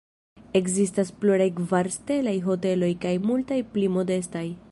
Ekzistas pluraj kvar-stelaj hoteloj kaj multaj pli modestaj.